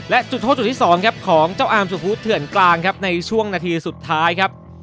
และจุดโทษที่สองของเจ้าอามสุฟุทเถื่อนกลางในช่วงนาทีสุดท้าย